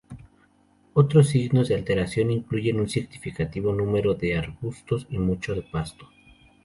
Otros signos de alteración incluyen un significativo número de arbustos y mucho pasto.